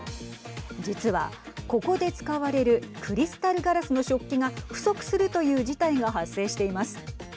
実は、ここで使われるクリスタルガラスの食器が不足するという事態が発生しています。